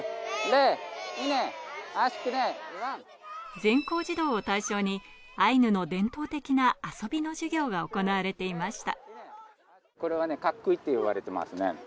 全校児童を対象にアイヌの伝統的な遊びの授業が行われていました。